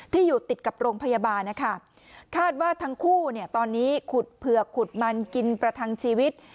อยู่ติดกับโรงพยาบาลนะคะคาดว่าทั้งคู่เนี่ยตอนนี้ขุดเผือกขุดมันกินประทังชีวิต